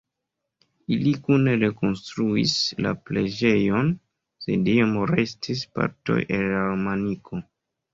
Ili kune rekonstruis la preĝejon, sed iom restis partoj el la romaniko.